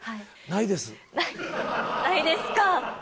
ないですか。